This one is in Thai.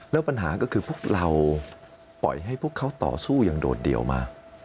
แล้วปัญหาก็คือพวกเราปล่อยให้พวกเขาต่อสู้อย่างโดดเดี่ยวมาก